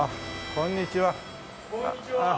こんにちは。